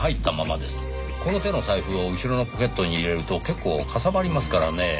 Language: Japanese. この手の財布を後ろのポケットに入れると結構かさばりますからねぇ。